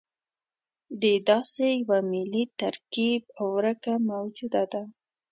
د داسې یوه ملي ترکیب ورکه موجوده ده.